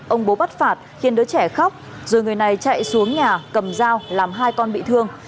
ông bố bắt phạt khiến đứa trẻ khóc rồi người này chạy xuống nhà cầm dao làm hai con bị thương